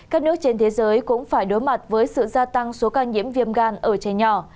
các nước trên thế giới cũng phải đối mặt với sự gia tăng số ca nhiễm viêm gan ở trẻ nhỏ